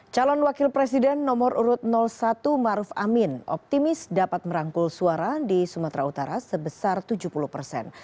calon wakil presiden nomor urut satu maruf amin optimis dapat merangkul suara di sumatera utara sebesar tujuh puluh persen